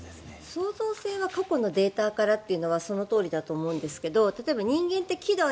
創造性は過去のデータからというのはそのとおりだと思うんですけど例えば人間って喜怒哀